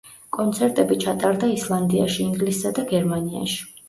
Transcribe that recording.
კონცერტები ჩატარდა ისლანდიაში, ინგლისსა და გერმანიაში.